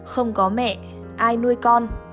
không có mẹ ai nuôi con